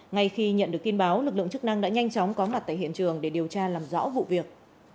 ngay khi nhận được tin báo lực lượng chức năng đã nhanh chóng có mặt tại hiện trường để điều tra làm rõ vụ việc